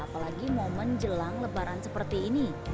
apalagi momen jelang lebaran seperti ini